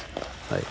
はい。